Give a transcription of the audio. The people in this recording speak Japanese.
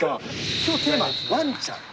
きょうのテーマ、ワンちゃん。